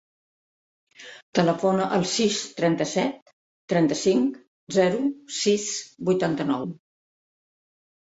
Telefona al sis, trenta-set, trenta-cinc, zero, sis, vuitanta-nou.